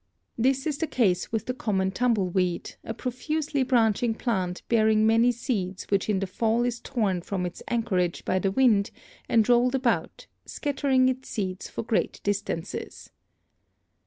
This is the case with the common tumbleweed, a pro fusely branching plant bearing many seeds which in the fall is torn from its anchorage by the wind and rolled about, scattering its seeds for great distances.